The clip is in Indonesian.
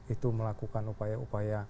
itu melakukan upaya upaya